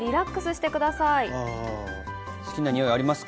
好きなにおいありますか？